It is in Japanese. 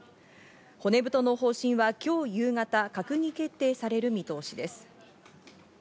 骨太の方針は今日夕方、閣議決定される見通しです。